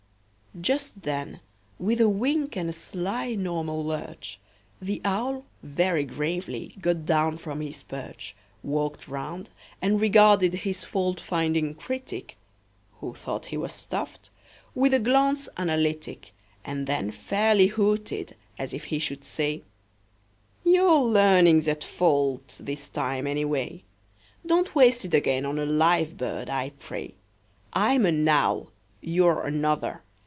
Just then, with a wink and a sly normal lurch, The owl, very gravely, got down from his perch, Walked round, and regarded his fault finding critic (Who thought he was stuffed) with a glance analytic, And then fairly hooted, as if he should say: "Your learning's at fault this time, any way; Don't waste it again on a live bird, I pray. I'm an owl; you're another.